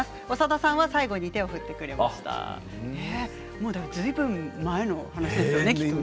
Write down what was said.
もうずいぶん前の話ですよね、きっとね。